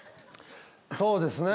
そうですね。